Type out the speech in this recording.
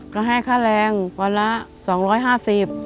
ก็ให้ค่าแรงวันละ๒๕๐บาท